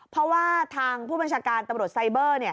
เพราะว่าทางผู้บัญชาการตำรวจไซเบอร์